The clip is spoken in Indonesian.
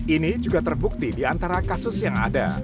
ini juga terbukti di antara kasus yang ada